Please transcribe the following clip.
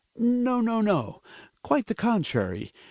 No, no, no; quite the contrary.